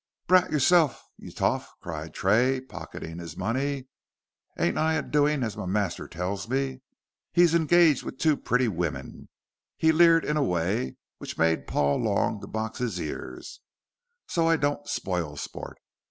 "Brat yourself y' toff," cried Tray, pocketing his money. "Ain't I a doin' as my master tells me? He's engaged with two pretty women" he leered in a way which made Paul long to box his ears "so I don't spile sport.